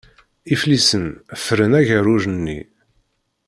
Iflisen ffren agerruj-nni.